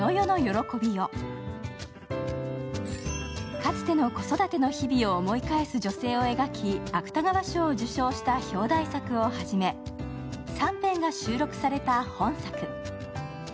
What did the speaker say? かつての子育ての日々を思い返す女性を描き、芥川賞を受賞した表題作をはじめ３編が収録された本作。